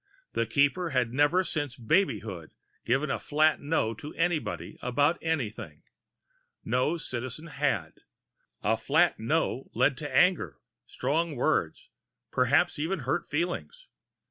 The Keeper had never since babyhood given a flat no to anybody about anything. No Citizen had. A flat no led to anger, strong words perhaps even hurt feelings.